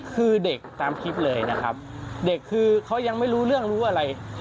คือเด็กตามคลิปเลยนะครับเด็กคือเขายังไม่รู้เรื่องรู้อะไร